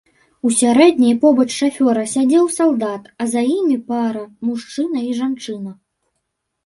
У сярэдняй побач шафёра сядзеў салдат, а за імі пара, мужчына і жанчына.